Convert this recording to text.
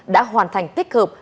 đã hoàn thành tích hợp